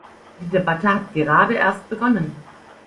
Die Debatte hat gerade erst begonnen.